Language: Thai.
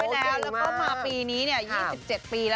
แล้วก็มาปีนี้นะ๒๗ปีแล้ว